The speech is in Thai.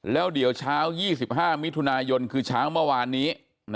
แล้วเดี๋ยวเช้า๒๕มิถุนายนคือเช้าเมื่อวานนี้